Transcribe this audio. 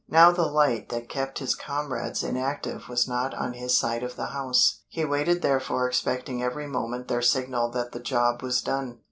Now the light that kept his comrades inactive was not on his side of the house; he waited therefore expecting every moment their signal that the job was done.